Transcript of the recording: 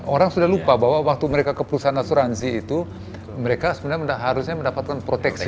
orang sudah lupa bahwa waktu mereka ke perusahaan asuransi itu mereka sebenarnya harusnya mendapatkan proteksi